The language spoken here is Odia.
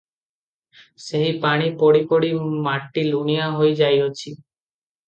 ସେହି ପାଣି ପଡ଼ି ପଡ଼ି ମାଟି ଲୁଣିଆ ହୋଇ ଯାଇଅଛି ।